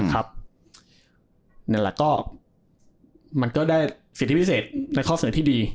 แล้วก็มันก็ได้เสียที่พิเศษในข้อเสนอที่ดี